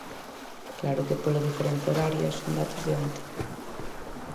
Claro que pola diferenza horaria, son datos de onte.